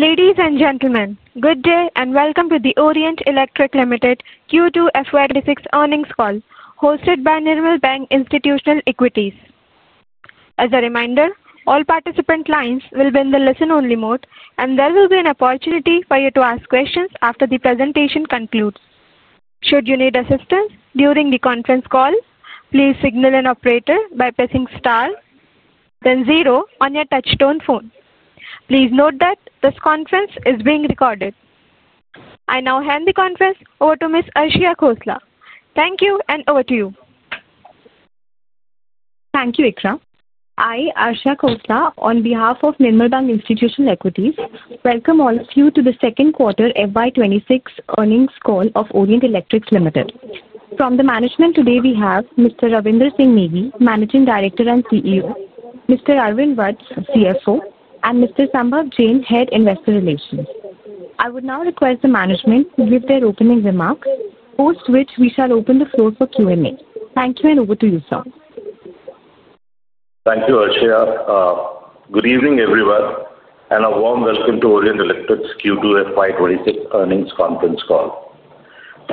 Ladies and gentlemen, good day and welcome to the Orient Electric Limited Q2 FY 2026 earnings call hosted by Nirmal Bang Institutional Equities. As a reminder, all participant lines will be in the listen-only mode, and there will be an opportunity for you to ask questions after the presentation concludes. Should you need assistance during the conference call, please signal an operator by pressing star, then zero on your touch-tone phone. Please note that this conference is being recorded. I now hand the conference over to Ms. Arshia Khosla. Thank you and over to you. Thank you, Iqra. I, Arshia Khosla, on behalf of Nirmal Bang Institutional Equities, welcome all of you to the second quarter FY 2026 earnings call of Orient Electric Limited. From the management, today we have Mr. Ravindra Singh Negi, Managing Director and CEO, Mr. Arvind Vats, CFO, and Mr. Sambhav Jain, Head Investor Relations. I would now request the management to give their opening remarks, post which we shall open the floor for Q&A. Thank you and over to you, sir. Thank you, Arshia. Good evening, everyone, and a warm welcome to Orient Electric's Q2 FY 2026 earnings conference call.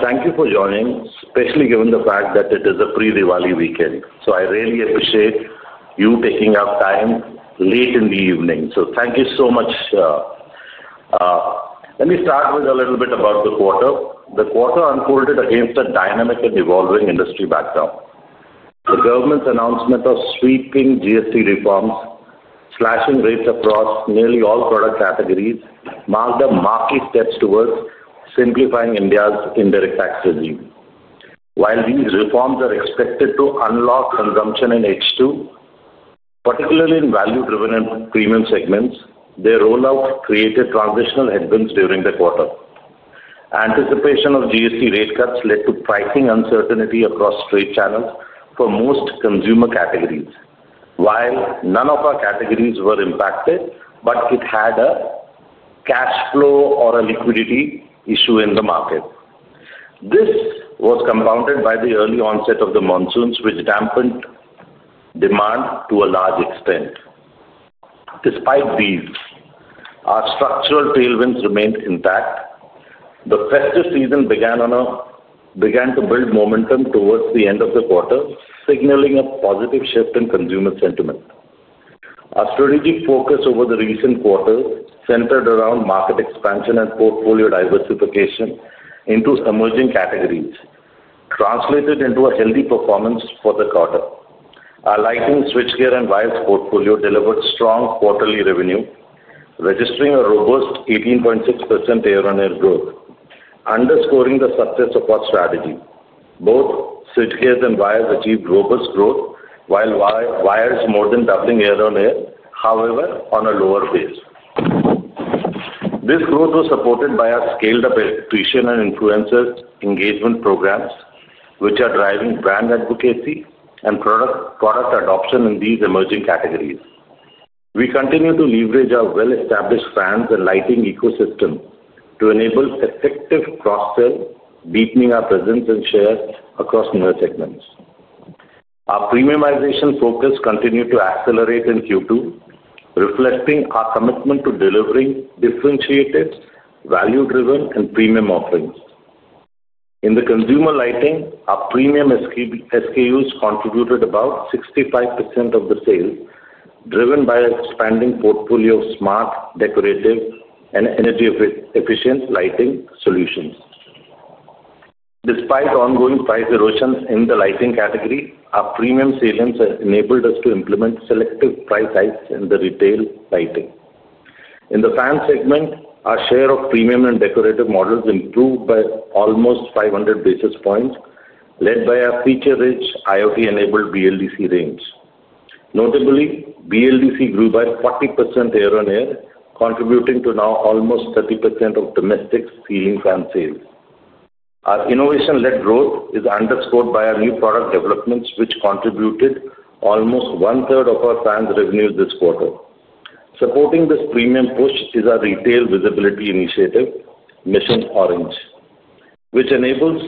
Thank you for joining, especially given the fact that it is a pre-Diwali weekend. I really appreciate you taking up time late in the evening. Thank you so much. Let me start with a little bit about the quarter. The quarter unfolded against a dynamic and evolving industry background. The government's announcement of sweeping GST reforms, slashing rates across nearly all product categories, marked a marquee step towards simplifying India's indirect tax regime. While these reforms are expected to unlock consumption in H2, particularly in value-driven and premium segments, their rollout created transitional headwinds during the quarter. Anticipation of GST rate cuts led to pricing uncertainty across trade channels for most consumer categories. While none of our categories were impacted, it had a cash flow or a liquidity issue in the market. This was compounded by the early onset of the monsoons, which dampened demand to a large extent. Despite these, our structural tailwinds remained intact. The festive season began to build momentum towards the end of the quarter, signaling a positive shift in consumer sentiment. Our strategic focus over the recent quarter centered around market expansion and portfolio diversification into emerging categories, translated into a healthy performance for the quarter. Our lighting, switchgear, and wires portfolio delivered strong quarterly revenue, registering a robust 18.6% year-on-year growth, underscoring the success of our strategy. Both switchgears and wires achieved robust growth, while wires more than doubled in year-on-year, however, on a lower base. This growth was supported by our scaled-up tuition and influencer engagement programs, which are driving brand advocacy and product adoption in these emerging categories. We continue to leverage our well-established fans and lighting ecosystem to enable effective cross-sell, deepening our presence and share across newer segments. Our premiumization focus continued to accelerate in Q2, reflecting our commitment to delivering differentiated, value-driven, and premium offerings. In the consumer lighting, our premium SKUs contributed about 65% of the sales, driven by our expanding portfolio of smart, decorative, and energy-efficient lighting solutions. Despite ongoing price erosion in the lighting category, our premium salience enabled us to implement selective price hikes in the retail lighting. In the fan segment, our share of premium and decorative models improved by almost 500 basis points, led by our feature-rich IoT-enabled BLDC range. Notably, BLDC grew by 40% year-on-year, contributing to now almost 30% of domestic ceiling fan sales. Our innovation-led growth is underscored by our new product developments, which contributed almost one-third of our fans' revenue this quarter. Supporting this premium push is our retail visibility initiative, Mission Orange, which enables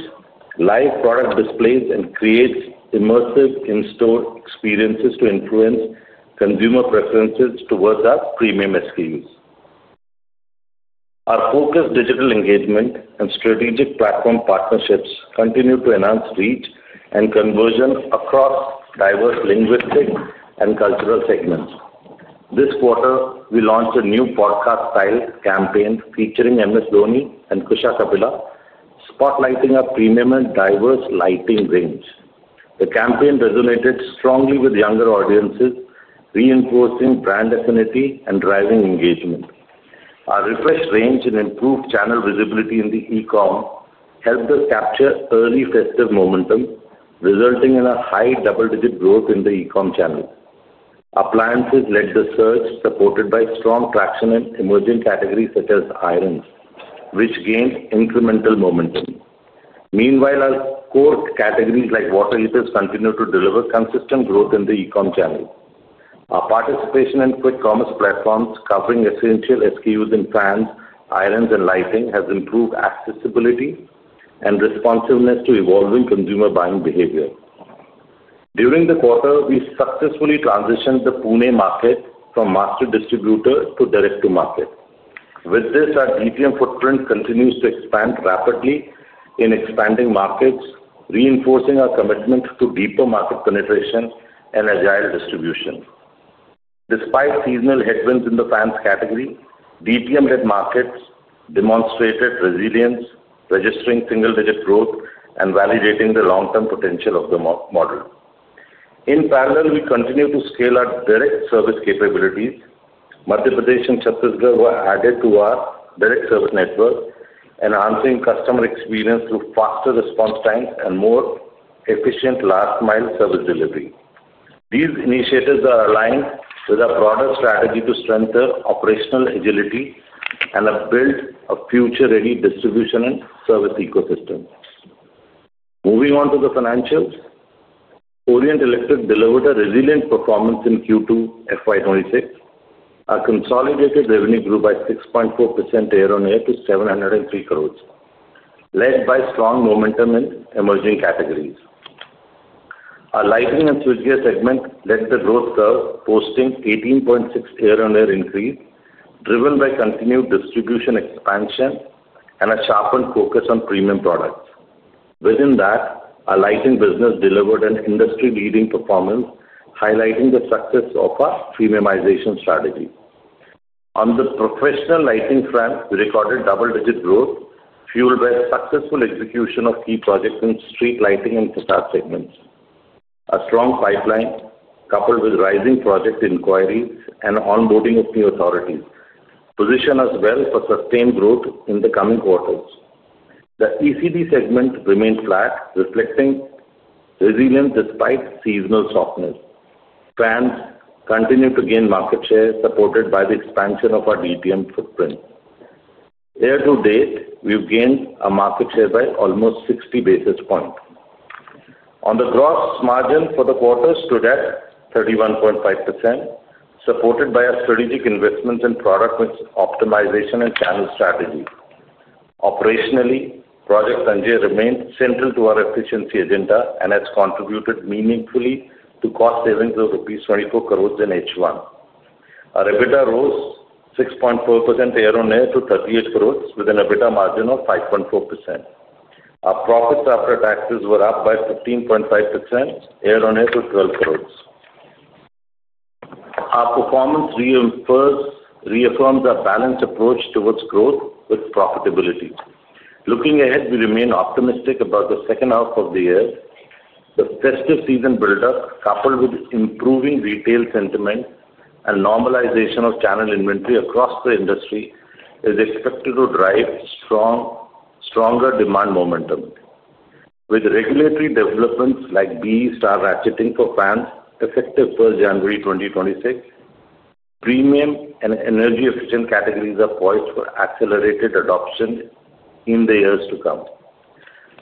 live product displays and creates immersive in-store experiences to influence consumer preferences towards our premium SKUs. Our focused digital engagement and strategic platform partnerships continue to enhance reach and conversion across diverse linguistic and cultural segments. This quarter, we launched a new podcast-styled campaign featuring MS Dhoni and Kusha Kapila, spotlighting our premium and diverse lighting range. The campaign resonated strongly with younger audiences, reinforcing brand affinity and driving engagement. Our refreshed range and improved channel visibility in the e-commerce helped us capture early festive momentum, resulting in a high double-digit growth in the e-commerce channels. Appliances led the search, supported by strong traction in emerging categories such as irons, which gained incremental momentum. Meanwhile, our core categories like water heaters continue to deliver consistent growth in the e-commerce channels. Our participation in quick commerce platforms covering essential SKUs in fans, irons, and lighting has improved accessibility and responsiveness to evolving consumer buying behavior. During the quarter, we successfully transitioned the Pune market from master distributor to direct-to-market. With this, our DTM footprint continues to expand rapidly in expanding markets, reinforcing our commitment to deeper market penetration and agile distribution. Despite seasonal headwinds in the fans category, DTM-led markets demonstrated resilience, registering single-digit growth and validating the long-term potential of the model. In parallel, we continue to scale our direct service capabilities. Madhya Pradesh and Chhattisgarh were added to our direct service network, enhancing customer experience through faster response times and more efficient last-mile service delivery. These initiatives are aligned with our broader strategy to strengthen operational agility and build a future-ready distribution and service ecosystem. Moving on to the financials, Orient Electric delivered a resilient performance in Q2 FY 2026. Our consolidated revenue grew by 6.4% year-on-year to 703 crore, led by strong momentum in emerging categories. Our lighting and switchgear segment led the growth curve, posting an 18.6% year-on-year increase, driven by continued distribution expansion and a sharpened focus on premium products. Within that, our lighting business delivered an industry-leading performance, highlighting the success of our premiumization strategy. On the professional lighting front, we recorded double-digit growth, fueled by a successful execution of key projects in street lighting and facade segments. A strong pipeline, coupled with rising project inquiries and onboarding of new authorities, positioned us well for sustained growth in the coming quarters. The ECD segment remained flat, reflecting resilience despite seasonal softness. Fans continue to gain market share, supported by the expansion of our DTM footprint. Year to date, we've gained a market share by almost 60 basis points. The gross margin for the quarter stood at 31.5%, supported by our strategic investments in product optimization and channel strategy. Operationally, Project Sanchay remained central to our efficiency agenda and has contributed meaningfully to cost savings of rupees 24 crore in H1. Our EBITDA rose 6.4% year-on-year to 38 crore, with an EBITDA margin of 5.4%. Our profits after taxes were up by 15.5% year-on-year to INR 12 crore. Our performance reaffirms our balanced approach towards growth with profitability. Looking ahead, we remain optimistic about the second half of the year. The festive season buildup, coupled with improving retail sentiment and normalization of channel inventory across the industry, is expected to drive stronger demand momentum. With regulatory developments like BEE Star ratcheting for fans effective January 2026, premium and energy-efficient categories are poised for accelerated adoption in the years to come.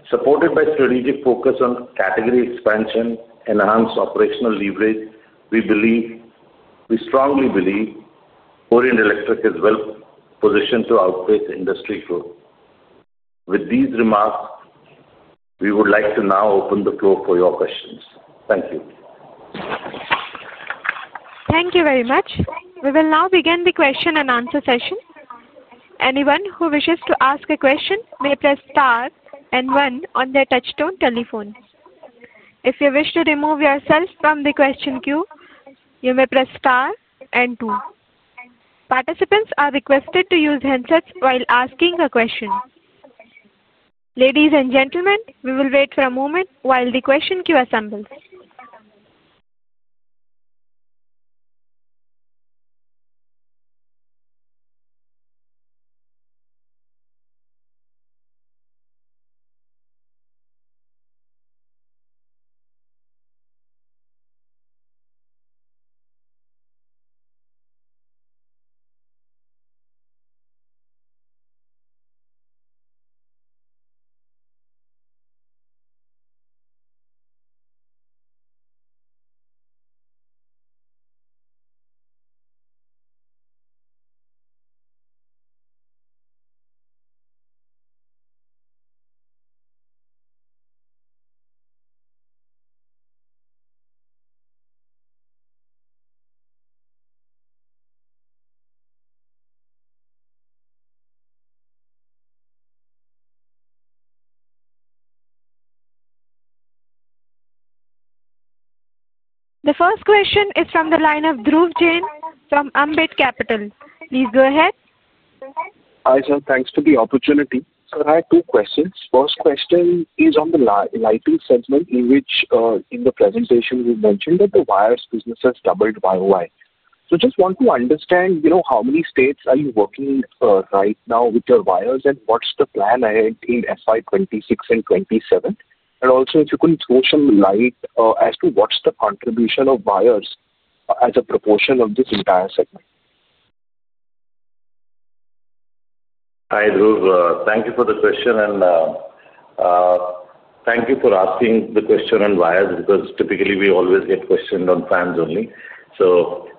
Supported by a strategic focus on category expansion and enhanced operational leverage, we strongly believe Orient Electric is well positioned to outpace industry growth. With these remarks, we would like to now open the floor for your questions. Thank you. Thank you very much. We will now begin the question and answer session. Anyone who wishes to ask a question may press star and one on their touch-tone telephone. If you wish to remove yourself from the question queue, you may press star and two. Participants are requested to use headsets while asking a question. Ladies and gentlemen, we will wait for a moment while the question queue assembles. The first question is from the line of Dhruv Jain from Ambit Capital. Please go ahead. Hi, sir. Thanks for the opportunity. Sir, I have two questions. First question is on the lighting segment in which, in the presentation, you mentioned that the wires business has doubled year-on-year. I just want to understand how many states are you working right now with your wires and what's the plan ahead in FY 2026 and 2027? Also, if you can throw some light as to what's the contribution of wires as a proportion of this entire segment? Hi, Dhruv. Thank you for the question and thank you for asking the question on wires because typically we always get questioned on fans only.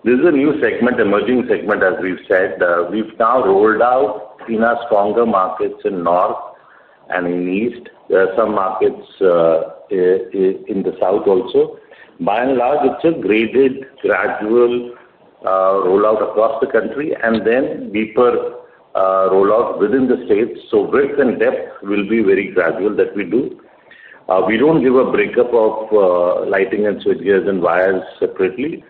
This is a new segment, emerging segment, as we've said. We've now rolled out in our stronger markets in the North and in the East. There are some markets in the South also. By and large, it's a graded, gradual rollout across the country and then deeper rollout within the states. Width and depth will be very gradual that we do. We don't give a breakup of lighting and switchgear and wires separately,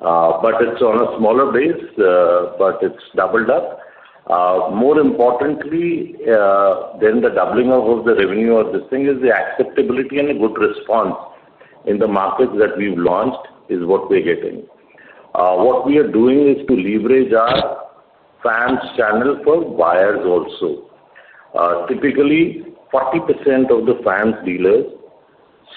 but it's on a smaller base, but it's doubled up. More importantly than the doubling of the revenue or this thing is the acceptability and a good response in the markets that we've launched is what we're getting. What we are doing is to leverage our fans channel for wires also. Typically, 40% of the fans dealers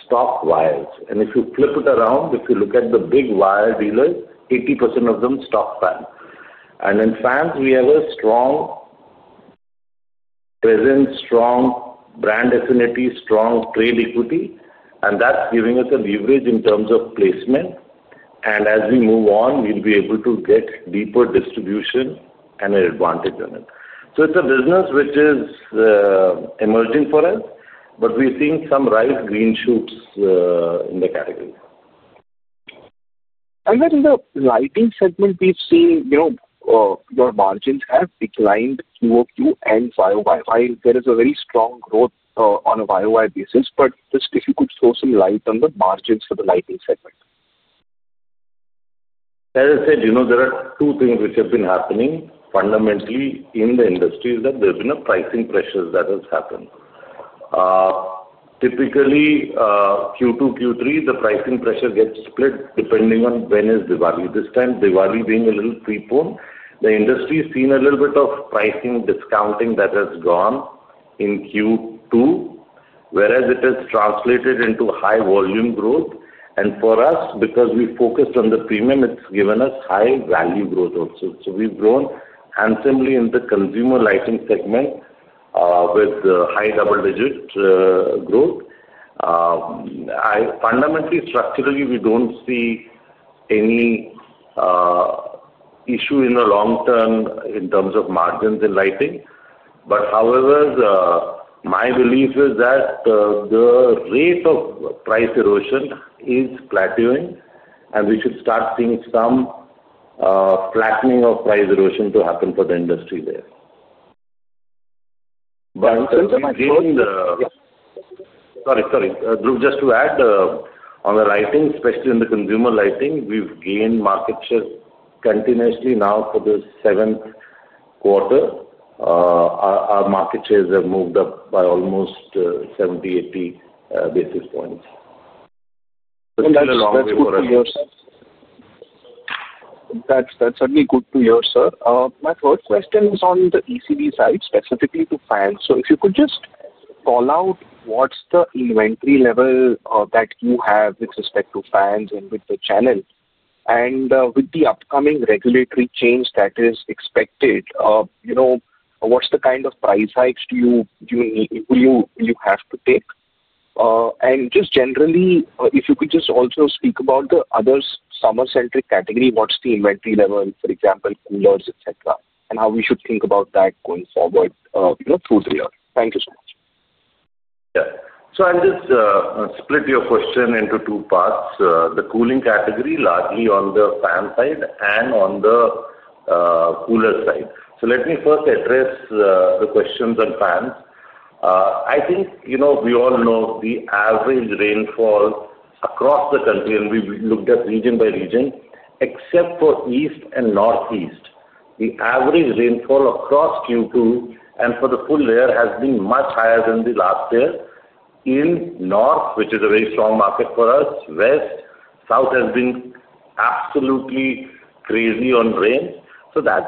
stock wires. If you flip it around, if you look at the big wire dealers, 80% of them stock fans. In fans, we have a strong presence, strong brand affinity, strong trade equity, and that's giving us a leverage in terms of placement. As we move on, we'll be able to get deeper distribution and an advantage on it. It's a business which is emerging for us, but we're seeing some nice green shoots in the category. I'm wondering, the lighting segment, we've seen your margins have declined Q2 and year-on-year. There is a very strong growth on a year-on-year basis, but just if you could throw some light on the margins for the lighting segment. As I said, you know, there are two things which have been happening. Fundamentally, in the industry, there's been a pricing pressure that has happened. Typically, Q2-Q3, the pricing pressure gets split depending on when is Diwali. This time, Diwali being a little preponed, the industry has seen a little bit of pricing discounting that has gone in Q2, whereas it has translated into high volume growth. For us, because we focused on the premium, it's given us high value growth also. We've grown handsomely in the consumer lighting segment, with high double-digit growth. Fundamentally, structurally, we don't see any issue in the long term in terms of margins in lighting. However, my belief is that the rate of price erosion is plateauing, and we should start seeing some flattening of price erosion to happen for the industry there. Since we've gained the—sorry, sorry, Dhruv, just to add, on the lighting, especially in the consumer lighting, we've gained market share continuously now for the seventh quarter. Our market shares have moved up by almost 70, 80 basis points. That's good to hear, sir. That's certainly good to hear, sir. My first question is on the ECB side, specifically to fans. If you could just call out what's the inventory level that you have with respect to fans and with the channel, and with the upcoming regulatory change that is expected, what's the kind of price hikes do you have to take? If you could also speak about the other summer-centric category, what's the inventory level, for example, coolers, etc., and how we should think about that going forward through the year. Thank you so much. Yeah. I'll just split your question into two parts: the cooling category, largely on the fan side and on the cooler side. Let me first address the questions on fans. I think we all know the average rainfall across the country, and we've looked at region by region. Except for East and Northeast, the average rainfall across Q2 and for the full year has been much higher than last year. In North, which is a very strong market for us, West, South has been absolutely crazy on rain. That's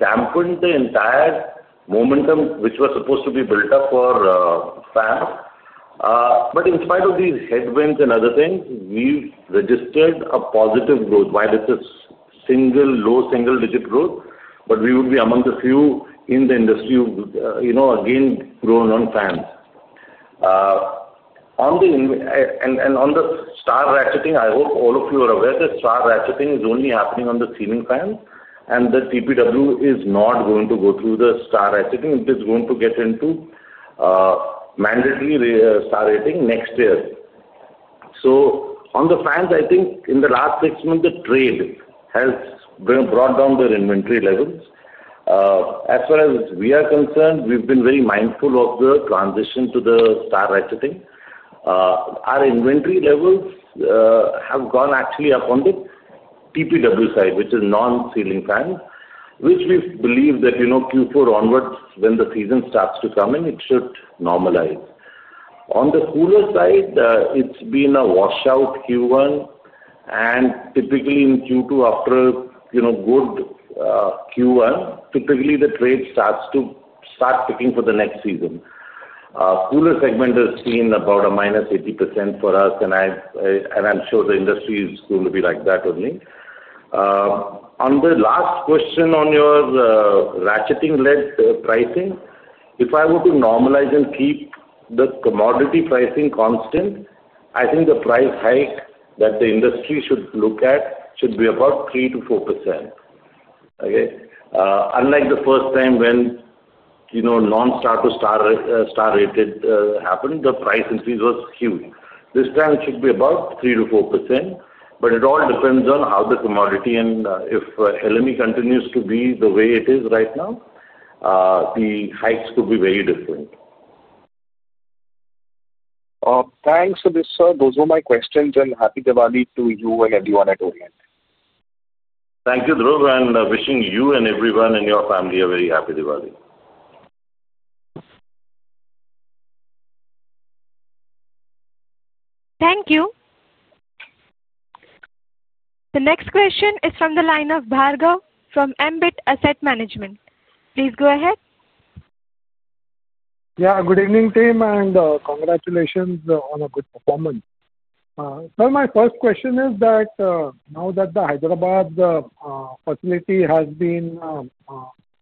dampened the entire momentum, which was supposed to be built up for fans. In spite of these headwinds and other things, we've registered a positive growth. While it's a low single-digit growth, we would be among the few in the industry who have grown on fans. On the star ratcheting, I hope all of you are aware that Star ratcheting is only happening on the ceiling fans, and the TPW is not going to go through the star ratcheting. It is going to get into mandatory star rating next year. On the fans, in the last six months, the trade has brought down their inventory levels. As far as we are concerned, we've been very mindful of the transition to the star ratcheting. Our inventory levels have gone up on the TPW side, which is non-ceiling fans, which we believe that Q4 onwards, when the season starts to come in, it should normalize. On the cooler side, it's been a washout Q1, and typically in Q2, after a good Q1, the trade starts to start picking for the next season. The cooler segment has seen about a -80% for us, and I'm sure the industry is going to be like that only. On the last question on your ratcheting-led pricing, if I were to normalize and keep the commodity pricing constant, I think the price hike that the industry should look at should be about 3%-4%. Unlike the first time when non-star to star rated happened, the price increase was huge. This time it should be about 3%-4%, but it all depends on how the commodity and, if LME continues to be the way it is right now, the hikes could be very different. Thanks for this, sir. Those were my questions, and Happy Diwali to you and everyone at Orient. Thank you, Dhruv, and wishing you and everyone and your family a very Happy Diwali. Thank you. The next question is from the line of Bhargav from Ambit Asset Management. Please go ahead. Good evening, team, and congratulations on a good performance. Sir, my first question is that, now that the Hyderabad facility has been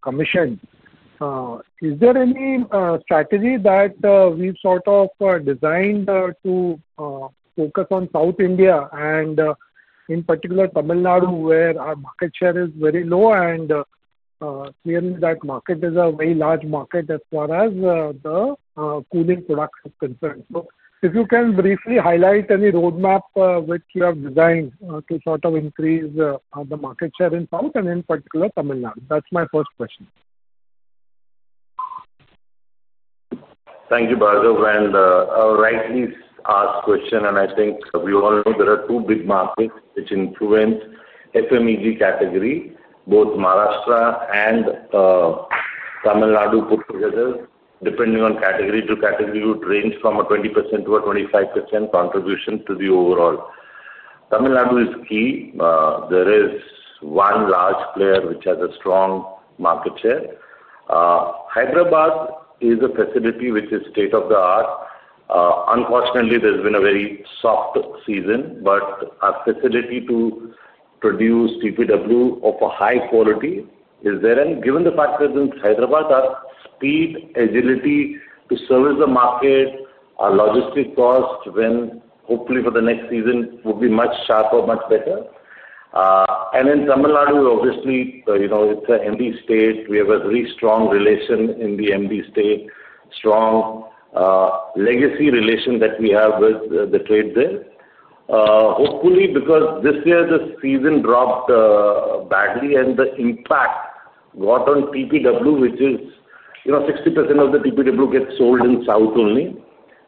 commissioned, is there any strategy that we've sort of designed to focus on South India and, in particular, Tamil Nadu, where our market share is very low and clearly that market is a very large market as far as the cooling products are concerned? If you can briefly highlight any roadmap which you have designed to sort of increase the market share in South and in particular, Tamil Nadu. That's my first question. Thank you, Bhargav. I'll write these last questions. I think we all know there are two big markets which influence the FMEG category. Both Maharashtra and Tamil Nadu put together, depending on category to category, would range from a 20% to a 25% contribution to the overall. Tamil Nadu is key. There is one large player which has a strong market share. Hyderabad is a facility which is state of the art. Unfortunately, there's been a very soft season, but our facility to produce TPW of a high quality is there. Given the fact that in Hyderabad, our speed and agility to service the market, our logistic cost, when, hopefully, for the next season, will be much sharper, much better. In Tamil Nadu, obviously, you know, it's an MD state. We have a very strong relation in the MD state, strong legacy relation that we have with the trade there. Hopefully, because this year, the season dropped badly and the impact got on TPW, which is, you know, 60% of the TPW gets sold in South only.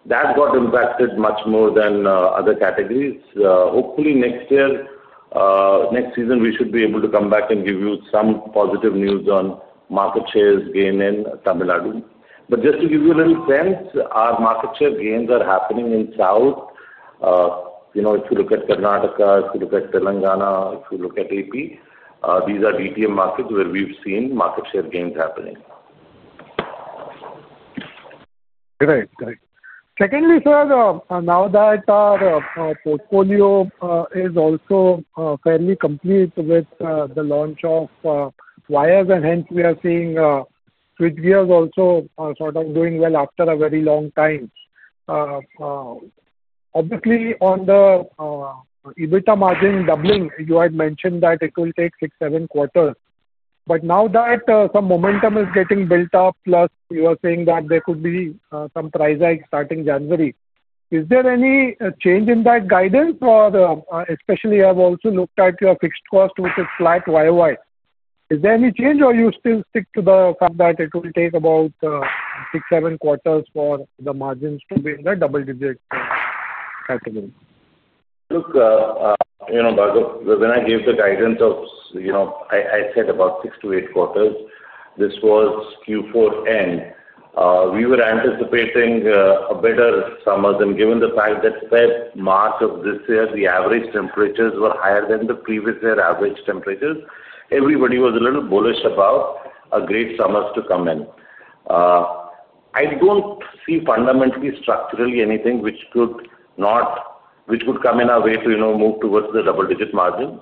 That got impacted much more than other categories. Hopefully, next year, next season, we should be able to come back and give you some positive news on market shares gain in Tamil Nadu. Just to give you a little sense, our market share gains are happening in South. You know, if you look at Karnataka, if you look at Telangana, if you look at AP, these are DTM markets where we've seen market share gains happening. Great. Secondly, sir, now that our portfolio is also fairly complete with the launch of wires and hence we are seeing switchgears also sort of doing well after a very long time. Obviously, on the EBITDA margin doubling, you had mentioned that it will take six, seven quarters. Now that some momentum is getting built up, plus you are saying that there could be some price hike starting January, is there any change in that guidance for, especially I've also looked at your fixed cost, which is flat year-on-year. Is there any change, or you still stick to the fact that it will take about six, seven quarters for the margins to be in the double-digit category? Look, you know, Bhargav, when I gave the guidance of, you know, I said about six to eight quarters, this was Q4 end. We were anticipating a better summer. Given the fact that Feb-March of this year, the average temperatures were higher than the previous year average temperatures, everybody was a little bullish about a great summer to come in. I don't see fundamentally, structurally, anything which could not, which would come in our way to, you know, move towards the double-digit margin.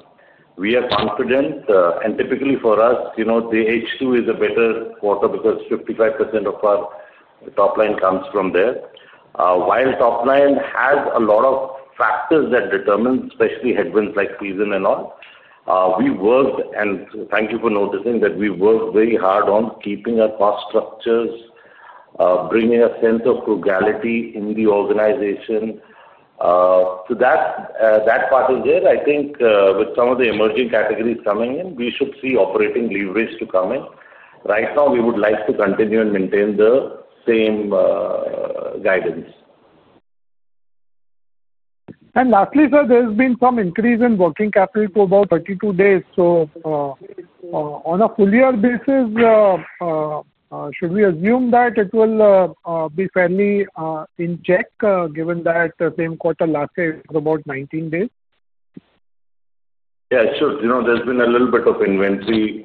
We are confident, and typically for us, you know, the H2 is a better quarter because 55% of our top line comes from there. While top line has a lot of factors that determine, especially headwinds like season and all, we worked, and thank you for noticing that we worked very hard on keeping our cost structures, bringing a sense of frugality in the organization. That part is there. I think, with some of the emerging categories coming in, we should see operating leverage to come in. Right now, we would like to continue and maintain the same guidance. Lastly, sir, there's been some increase in working capital to about 32 days. On a full-year basis, should we assume that it will be fairly in check, given that the same quarter last year is about 19 days? Yeah, sure. There's been a little bit of inventory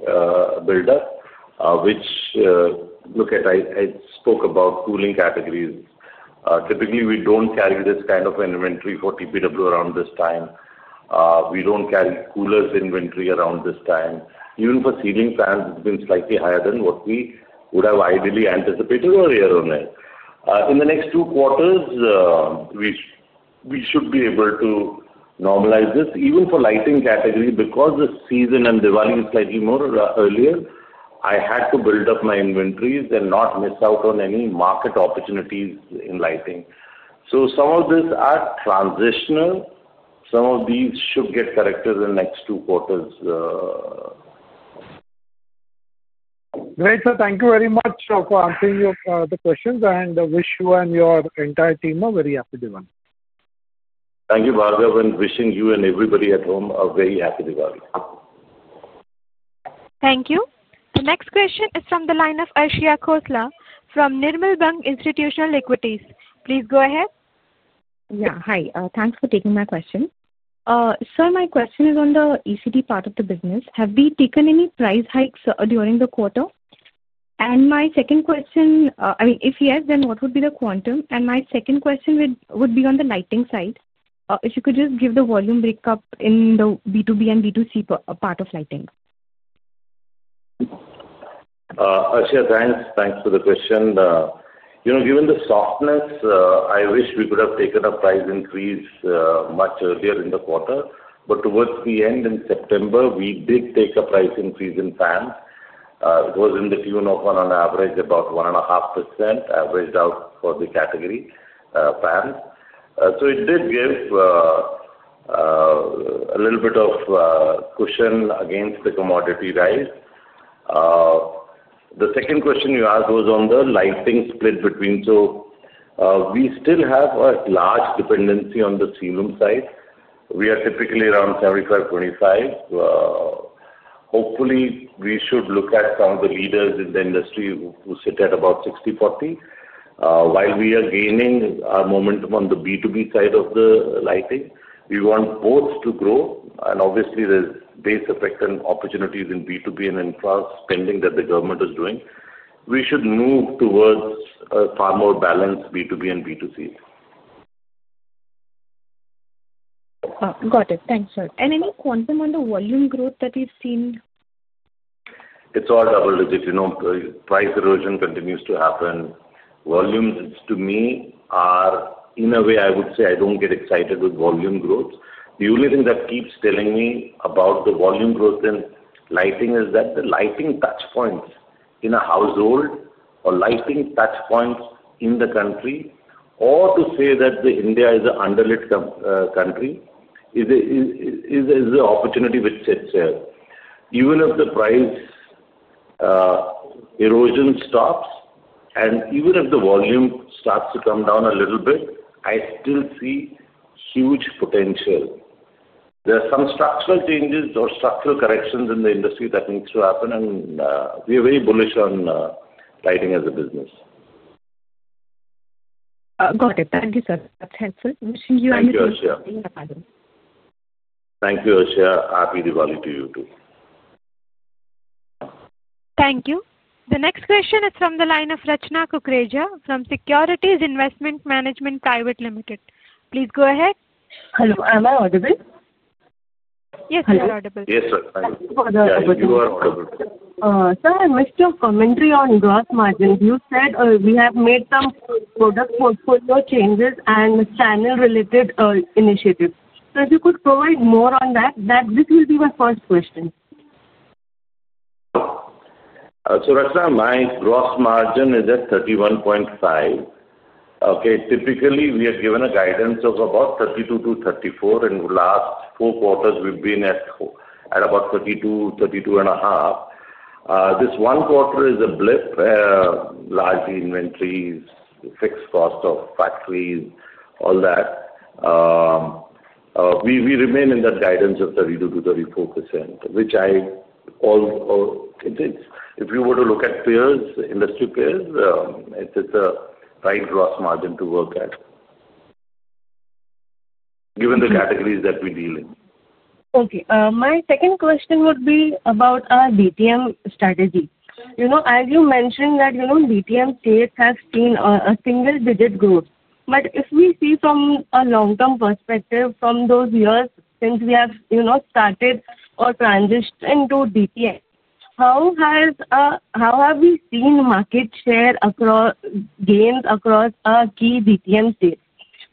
buildup, which, look at, I spoke about cooling categories. Typically, we don't carry this kind of an inventory for TPW around this time. We don't carry air coolers inventory around this time. Even for ceiling fans, it's been slightly higher than what we would have ideally anticipated or year-on-year. In the next two quarters, we should be able to normalize this. Even for lighting category, because the season and Diwali is slightly more earlier, I had to build up my inventories and not miss out on any market opportunities in lighting. Some of these are transitional. Some of these should get corrected in the next two quarters. Great, sir. Thank you very much for answering the questions, and I wish you and your entire team a very Happy Diwali. Thank you, Bhargav, and wishing you and everybody at home a very Happy Diwali. Thank you. The next question is from the line of Arshia Khosla from Nirmal Bang Institutional Equities. Please go ahead. Yeah. Hi, thanks for taking my question. Sir, my question is on the ECD part of the business. Have we taken any price hikes during the quarter? If yes, then what would be the quantum? My second question would be on the lighting side. If you could just give the volume breakup in the B2B and B2C part of lighting. Arshia, thanks. Thanks for the question. Given the softness, I wish we could have taken a price increase much earlier in the quarter. Towards the end in September, we did take a price increase in fans. It was in the tune of, on average, about 1.5% averaged out for the category, fans. It did give a little bit of cushion against the commodity rise. The second question you asked was on the lighting split between. We still have a large dependency on the ceiling side. We are typically around 75/25. Hopefully, we should look at some of the leaders in the industry who sit at about 60/40. While we are gaining our momentum on the B2B side of the lighting, we want both to grow. Obviously, there's base effect and opportunities in B2B and in cross spending that the government is doing. We should move towards a far more balanced B2B and B2C. Got it. Thanks, sir. Any quantum on the volume growth that we've seen? It's all double-digit. Price erosion continues to happen. Volumes, to me, are, in a way, I would say I don't get excited with volume growth. The only thing that keeps telling me about the volume growth in lighting is that the lighting touchpoints in a household or lighting touchpoints in the country, or to say that India is an underlit country, is the opportunity which sits there. Even if the price erosion stops and even if the volume starts to come down a little bit, I still see huge potential. There are some structural changes or structural corrections in the industry that need to happen, and we are very bullish on lighting as a business. Got it. Thank you, sir. That's helpful. Wishing you and your team a happy Diwali. Thank you, Arshia. Happy Diwali to you too. Thank you. The next question is from the line of Rachna Kukreja from Securities Investment Management Private Limited. Please go ahead. Hello. Am I audible? Yes, you're audible. Yes, sir. Thank you for the audible. Yes, you are welcome. Sir, I wish to commentary on gross margins. You said we have made some product portfolio changes and the channel-related initiatives. Sir, if you could provide more on that, this will be my first question. Rachna, my gross margin is at 31.5%. Typically, we are given a guidance of about 32%-34%, and the last four quarters, we've been at about 32%, 32.5%. This one quarter is a blip, largely inventories, fixed cost of factories, all that. We remain in that guidance of 32%-34%, which I call, if you were to look at industry peers, it's a right gross margin to work at, given the categories that we deal in. Okay. My second question would be about our DTM strategy. As you mentioned, DTM states have seen a single-digit growth. If we see from a long-term perspective from those years since we have started or transitioned into DTM, how have we seen market share gains across our key DTM states?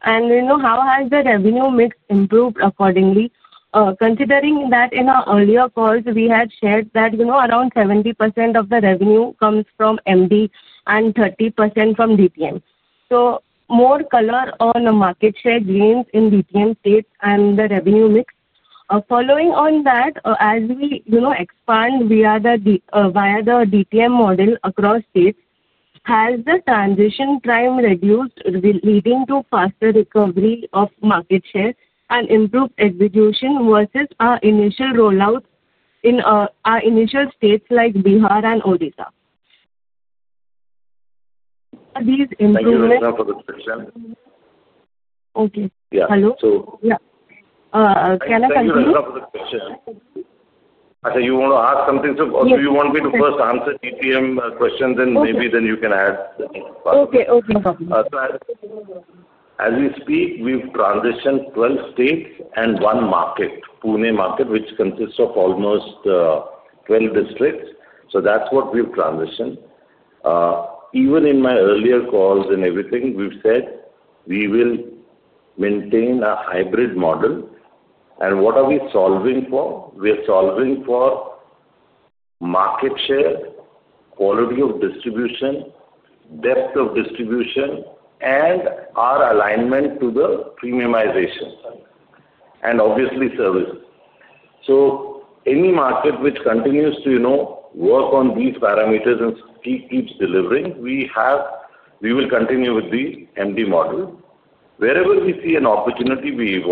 How has the revenue mix improved accordingly? Considering that in our earlier calls, we had shared that around 70% of the revenue comes from MD and 30% from DTM, more color on the market share gains in DTM states and the revenue mix would be helpful. Following on that, as we expand via the DTM model across states, has the transition time reduced, leading to faster recovery of market share and improved execution versus our initial rollout in our initial states like Bihar and Odisha? Are these improvements? Can I answer the question? Okay. Yeah. Hello. So. Yeah, can I continue? Can I answer the question? I'm sorry. I said you want to ask something. Do you want me to first answer DTM questions, and maybe then you can add the part? Okay. Okay. As we speak, we've transitioned 12 states and one market, Pune market, which consists of almost 12 districts. That's what we've transitioned. Even in my earlier calls and everything, we've said we will maintain a hybrid model. What are we solving for? We are solving for market share, quality of distribution, depth of distribution, our alignment to the premiumization side, and obviously, service. Any market which continues to work on these parameters and keeps delivering, we will continue with the MD model. Wherever we see an opportunity, we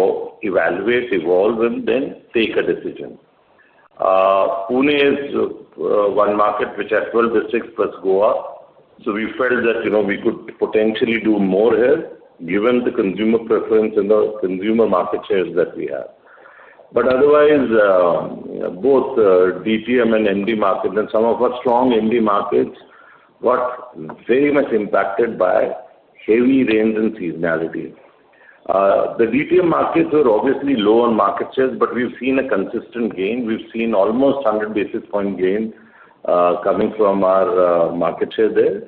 evaluate, evolve, and then take a decision. Pune is one market which has 12 districts plus Goa. We felt that we could potentially do more here given the consumer preference and the consumer market shares that we have. Otherwise, both DTM and MD markets and some of our strong MD markets got very much impacted by heavy rains and seasonality. The DTM markets were obviously low on market shares, but we've seen a consistent gain. We've seen almost 100 basis point gain coming from our market share there.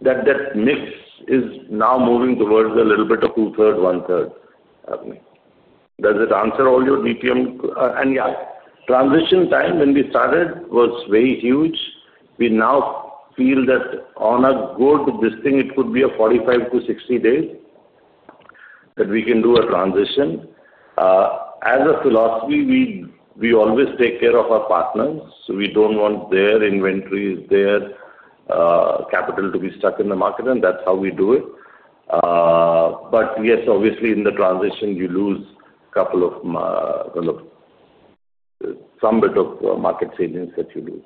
That mix is now moving towards a little bit of two-thirds, one-third. Does it answer all your DTM? Transition time when we started was very huge. We now feel that on a good listing, it could be 45-60 days that we can do a transition. As a philosophy, we always take care of our partners. We don't want their inventories, their capital to be stuck in the market, and that's how we do it. Yes, obviously, in the transition, you lose a couple of, kind of, some bit of market savings that you lose.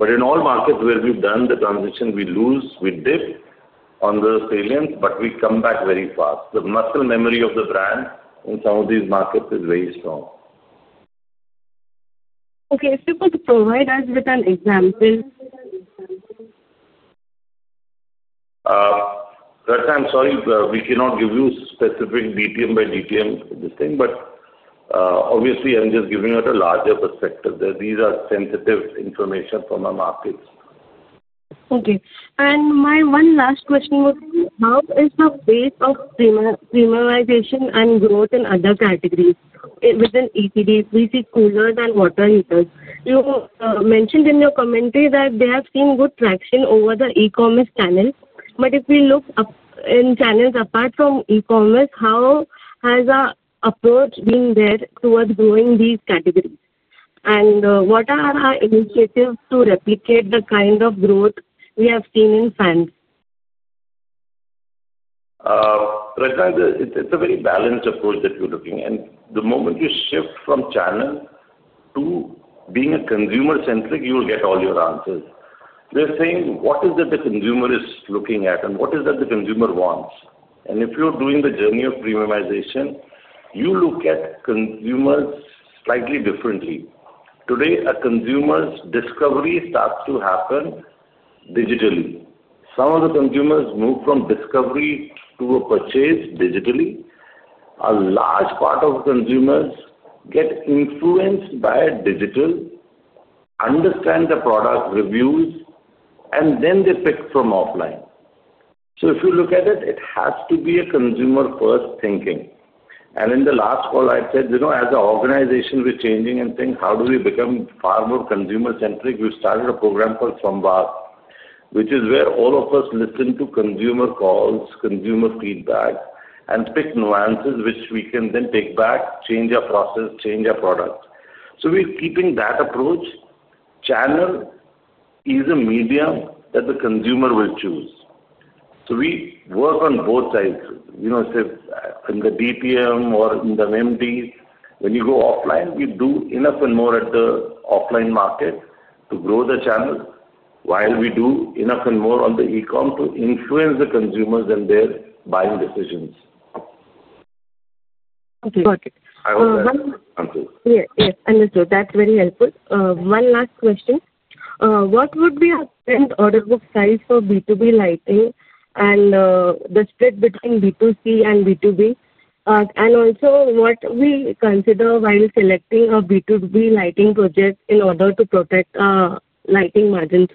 In all markets where we've done the transition, we lose, we dip on the salience, but we come back very fast. The muscle memory of the brand in some of these markets is very strong. Okay, if you could provide us with an example. Racha, I'm sorry, we cannot give you specific DTM by DTM listing, but obviously, I'm just giving you a larger perspective that these are sensitive information from our markets. Okay. My one last question was, how is the rate of premiumization and growth in other categories within ECDs? We see air coolers and water heaters. You mentioned in your commentary that they have seen good traction over the e-commerce channels. If we look up in channels apart from e-commerce, how has our approach been there towards growing these categories? What are our initiatives to replicate the kind of growth we have seen in fans? Rachna, it's a very balanced approach that you're looking at. The moment you shift from channel to being consumer-centric, you will get all your answers. They're saying, what is it the consumer is looking at and what is it the consumer wants? If you're doing the journey of premiumization, you look at consumers slightly differently. Today, a consumer's discovery starts to happen digitally. Some of the consumers move from discovery to a purchase digitally. A large part of the consumers get influenced by digital, understand the product reviews, and then they pick from offline. If you look at it, it has to be a consumer-first thinking. In the last call, I said, you know, as an organization, we're changing and think, how do we become far more consumer-centric? We've started a program called Samvad, which is where all of us listen to consumer calls, consumer feedback, and pick nuances which we can then take back, change our process, change our product. We're keeping that approach. Channel is a medium that the consumer will choose. We work on both sides. You know, say in the BPM or in the MD, when you go offline, we do enough and more at the offline market to grow the channel while we do enough and more on the e-com to influence the consumers in their buying decisions. Okay. Got it. I hope that answers. Yes, yes, understood. That's very helpful. One last question. What would be a spend order book size for B2B lighting and the split between B2C and B2B? Also, what do we consider while selecting a B2B lighting project in order to protect lighting margins?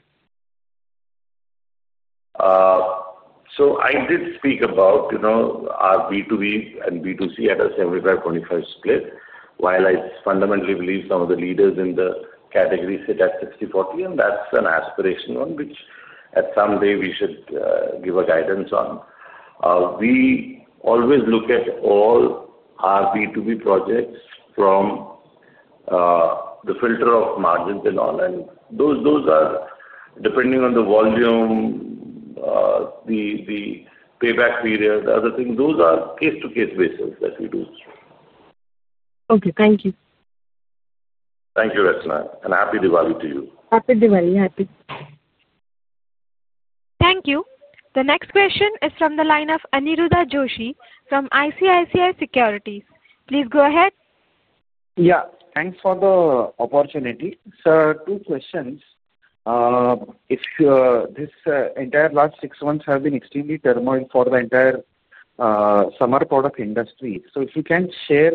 I did speak about our B2B and B2C at a 75.5% split, while I fundamentally believe some of the leaders in the category sit at 60%, 40%. That's an aspiration, one which at some day we should give a guidance on. We always look at all our B2B projects from the filter of margins and all. Those are, depending on the volume, the payback period, the other thing, those are case-to-case basis that we do. Okay, thank you. Thank you, Rachna. Happy Diwali to you. Happy Diwali. Happy. Thank you. The next question is from the line of Aniruddha Joshi from ICICI Securities. Please go ahead. Yeah. Thanks for the opportunity. Sir, two questions. This entire last six months have been extremely turmoil for the entire summer product industry. If you can share,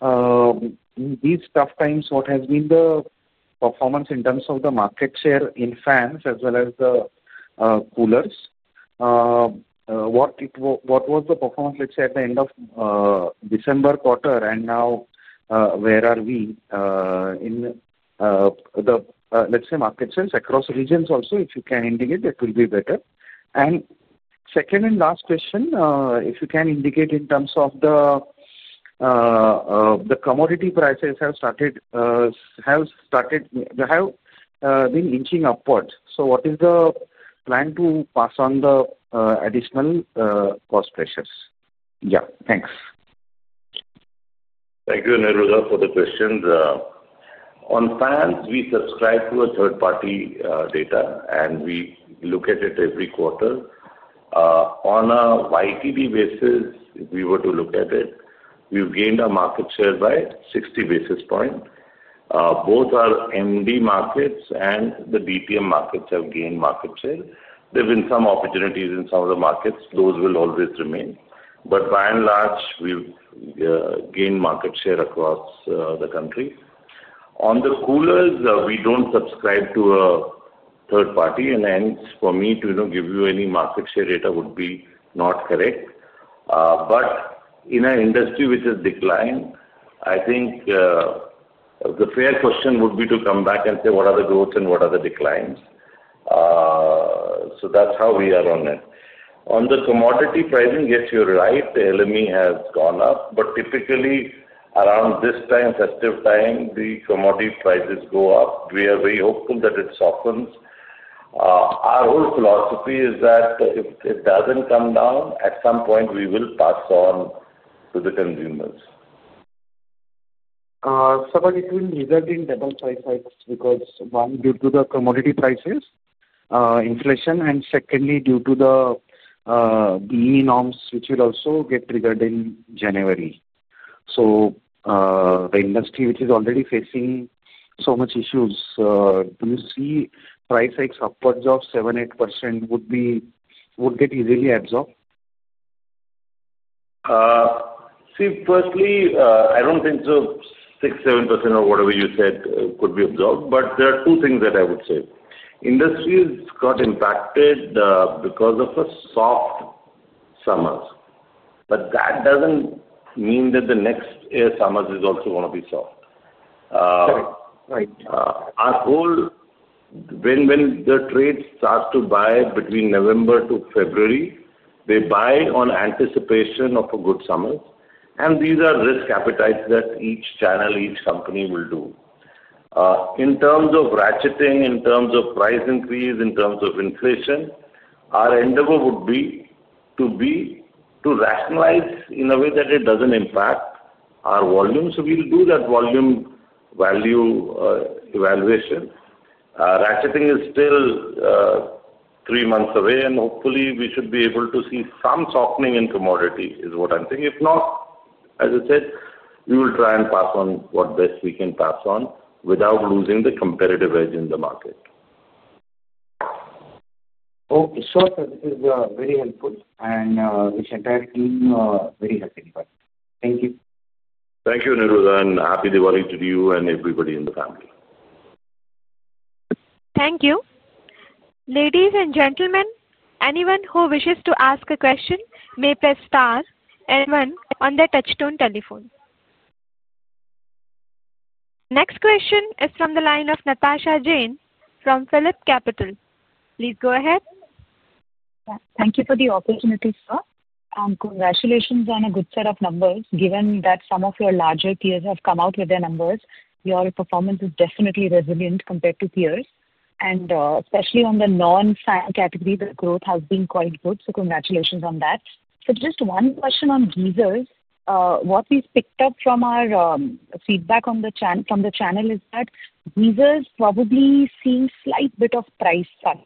in these tough times, what has been the performance in terms of the market share in fans as well as the coolers? What it was, what was the performance, let's say, at the end of December quarter? Now, where are we in the, let's say, market sales across regions also? If you can indicate, that will be better. Second and last question, if you can indicate in terms of the commodity prices have started, have started, they have been inching upward. What is the plan to pass on the additional cost pressures? Yeah. Thanks. Thank you, Aniruddha, for the questions. On fans, we subscribe to a third-party data, and we look at it every quarter. On a YTD basis, if we were to look at it, we've gained our market share by 60 basis points. Both our MD markets and the DTM markets have gained market share. There have been some opportunities in some of the markets. Those will always remain. By and large, we've gained market share across the country. On the coolers, we don't subscribe to a third party, and hence, for me to give you any market share data would be not correct. In an industry which has declined, I think the fair question would be to come back and say, what are the growths and what are the declines? That's how we are on it. On the commodity pricing, yes, you're right. The LME has gone up. Typically, around this time, festive time, the commodity prices go up. We are very hopeful that it softens. Our whole philosophy is that if it doesn't come down, at some point, we will pass on to the consumers. Sir, it will result in double size hikes because one, due to the commodity prices, inflation, and secondly, due to the BEE norms, which will also get triggered in January. The industry, which is already facing so many issues, do you see price hikes upwards of 7%, 8% would get easily absorbed? See, firstly, I don't think 6%, 7% or whatever you said could be absorbed. There are two things that I would say. Industries got impacted because of a soft summer. That doesn't mean that the next summer is also going to be soft. Correct. Right. Our whole, when the trade starts to buy between November to February, they buy on anticipation of a good summer. These are risk appetites that each channel, each company will do. In terms of ratcheting, in terms of price increase, in terms of inflation, our endeavor would be to rationalize in a way that it doesn't impact our volumes. We'll do that volume value evaluation. Ratcheting is still three months away, and hopefully, we should be able to see some softening in commodity is what I'm thinking. If not, as I said, we will try and pass on what best we can pass on without losing the competitive edge in the market. Oh, sir, this is very helpful. The entire team is very happy about it. Thank you. Thank you, Aniruddha, and Happy Diwali to you and everybody in the family. Thank you. Ladies and gentlemen, anyone who wishes to ask a question may press star and one on their touchstone telephone. Next question is from the line of Natasha Jain from PhillipCapital. Please go ahead. Thank you for the opportunity, sir. Congratulations on a good set of numbers. Given that some of your larger peers have come out with their numbers, your performance is definitely resilient compared to peers, especially on the non-fan category. The growth has been quite good. Congratulations on that. Just one question on heaters. What we've picked up from our feedback on the channel is that heaters probably see a slight bit of price cut.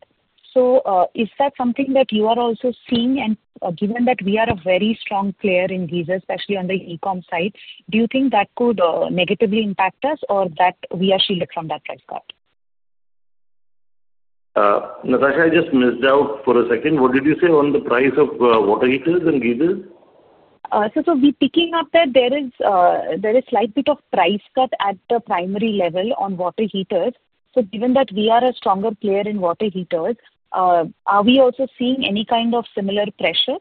Is that something that you are also seeing? Given that we are a very strong player in heaters, especially on the e-commerce side, do you think that could negatively impact us or that we are shielded from that price cut? Natasha, I just missed out for a second. What did you say on the price of water heaters and geezers? We're picking up that there is a slight bit of price cut at the primary level on water heaters. Given that we are a stronger player in water heaters, are we also seeing any kind of similar pressure?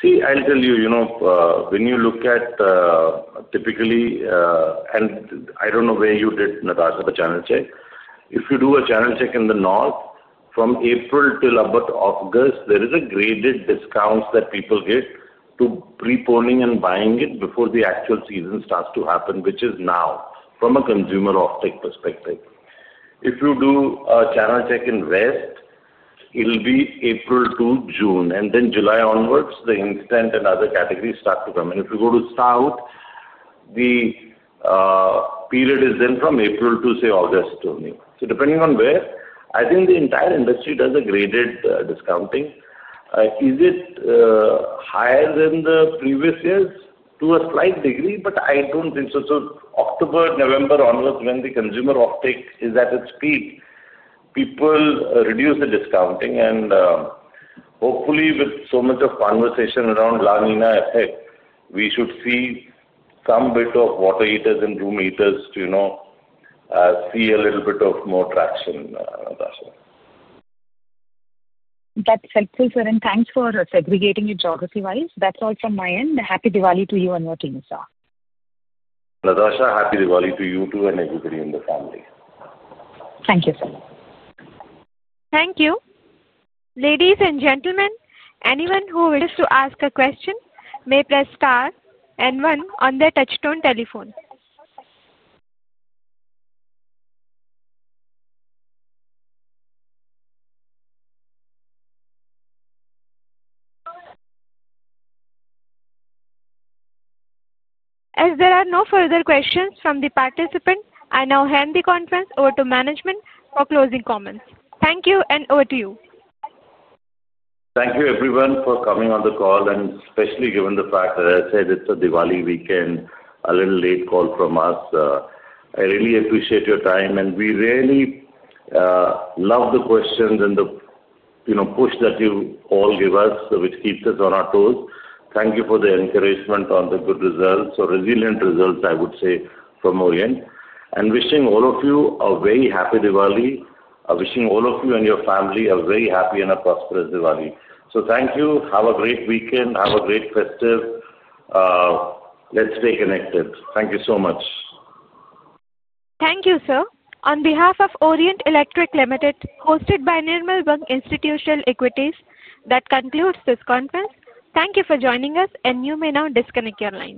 See, I'll tell you, you know, when you look at, typically, and I don't know where you did, Natasha, the channel check. If you do a channel check in the north, from April till about August, there is a graded discount that people get to preponing and buying it before the actual season starts to happen, which is now from a consumer offtake perspective. If you do a channel check in west, it'll be April to June. July onwards, the instant and other categories start to come. If you go to south, the period is then from April to, say, August only. Depending on where, I think the entire industry does a graded discounting. Is it higher than the previous years? To a slight degree, but I don't think so. October, November onwards, when the consumer offtake is at its peak, people reduce the discounting. Hopefully, with so much of conversation around La Niña effect, we should see some bit of water heaters and room heaters, you know, see a little bit of more traction, Natasha. That's helpful, sir. Thanks for segregating it geography-wise. That's all from my end. Happy Diwali to you and your team, sir. Natasha, happy Diwali to you too and everybody in the family. Thank you, sir. Thank you. Ladies and gentlemen, anyone who wishes to ask a question may press star and one on their touchstone telephone. As there are no further questions from the participants, I now hand the conference over to management for closing comments. Thank you and over to you. Thank you, everyone, for coming on the call, especially given the fact that I said it's a Diwali weekend, a little late call from us. I really appreciate your time. We really love the questions and the push that you all give us, which keeps us on our toes. Thank you for the encouragement on the good results, resilient results, I would say, from Orient. Wishing all of you a very happy Diwali, wishing all of you and your family a very happy and a prosperous Diwali. Thank you. Have a great weekend. Have a great festive. Let's stay connected. Thank you so much. Thank you, sir. On behalf of Orient Electric Limited, hosted by Nirmal Bang Institutional Equities, that concludes this conference. Thank you for joining us, and you may now disconnect your lines.